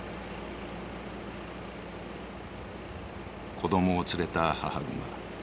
子どもを連れた母熊。